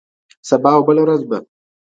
سبا او بله ورځ به.